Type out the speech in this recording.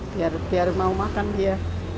biar mau makan dia